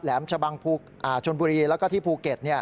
ชะบังชนบุรีแล้วก็ที่ภูเก็ต